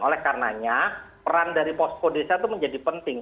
oleh karenanya peran dari posko desa itu menjadi penting